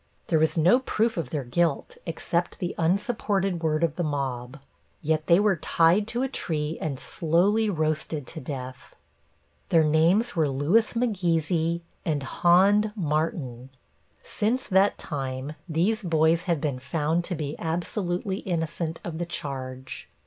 There was no proof of their guilt except the unsupported word of the mob. Yet they were tied to a tree and slowly roasted to death. Their names were Lewis McGeesy and Hond Martin. Since that time these boys have been found to be absolutely innocent of the charge.